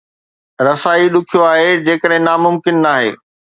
رسائي ڏکيو آهي جيڪڏهن ناممڪن ناهي